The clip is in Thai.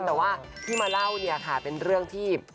แต่ว่าที่มาเล่าเนี่ยค่ะเป็นเรื่องที่